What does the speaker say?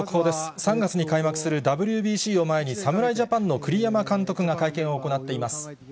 ３月に開幕するＷＢＣを前に、侍ジャパンの栗山監督が会見を行っています。